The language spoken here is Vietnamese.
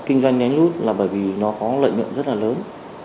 kinh doanh nhánh nút là bởi vì nó có lợi nhuận rất là lớn